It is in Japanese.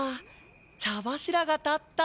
茶柱が立った。